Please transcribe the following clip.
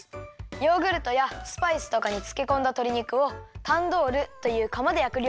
ヨーグルトやスパイスとかにつけこんだとり肉をタンドールというかまでやくりょうりだよ。